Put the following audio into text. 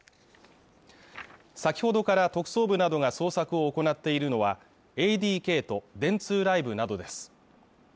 先ほどから特捜部などが捜索を行っているのはＡＤＫと電通ライブなどです